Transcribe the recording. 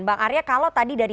bang arya kalau tadi dari